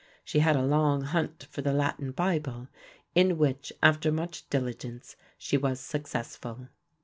She had a long hunt for the Latin Bible in which after much diligence she was successful.